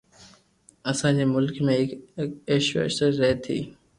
اسان جي ملڪ ۾ هڪ عيش عشرت رهي ٿي